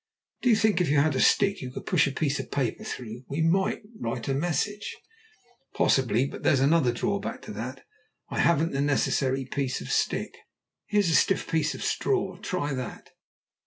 "Do you think if you had a stick you could push a piece of paper through? We might write a message." "Possibly, but there's another drawback to that. I haven't the necessary piece of stick." "Here is a stiff piece of straw; try that."